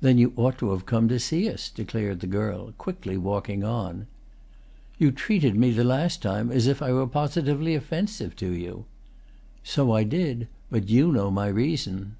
"Then you ought to have come to see us," declared the girl, quickly walking on. "You treated me the last time as if I were positively offensive to you." "So I did, but you know my reason."